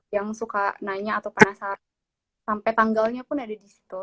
yang suka nanya atau penasaran sampai tanggalnya pun ada di situ